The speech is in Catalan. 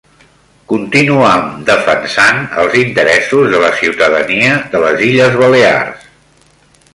Continuam defensant els interessos de la ciutadania de les Illes Balears.